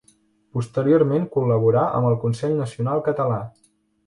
Posteriorment col·laborà amb el Consell Nacional Català.